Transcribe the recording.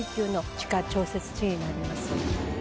地下調節池になります。